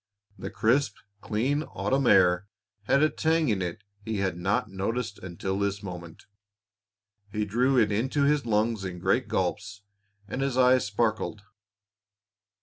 The crisp, clean autumn air had a tang in it he had not noticed until this moment. He drew it into his lungs in great gulps, and his eyes sparkled.